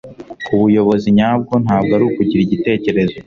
ubuyobozi nyabwo ntabwo ari ukugira igitekerezo